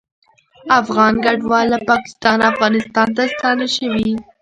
افغان کډوال له پاکستانه افغانستان ته ستانه شوي